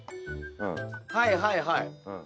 はいはいはい。